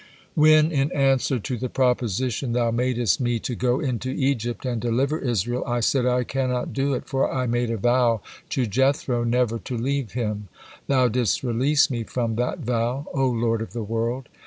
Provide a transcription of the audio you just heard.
"When, in answer to the proposition Thou madest me to go into Egypt and deliver Israel, I said, 'I can not do it, for I made a vow to Jethro never to leave him,' Thou didst release me from that vow. O Lord of the world!